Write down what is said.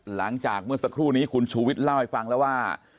หลังจากเมื่อสักครู่นี้คุณชูวิทย์เล่าให้ฟังแล้วว่า